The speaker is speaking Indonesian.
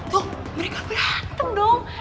tuh mereka berantem dong